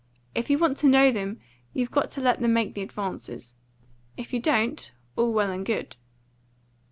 If you want to know them, you've got to let them make the advances. If you don't, all well and good."